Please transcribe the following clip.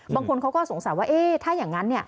บางคนสงสัยเรื่องว่าถ้าอย่างนั้นเนี่ย